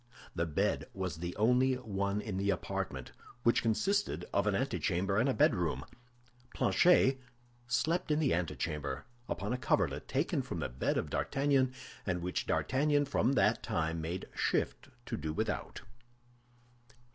The bed was the only one in the apartment, which consisted of an antechamber and a bedroom. Planchet slept in the antechamber upon a coverlet taken from the bed of D'Artagnan, and which D'Artagnan from that time made shift to do without.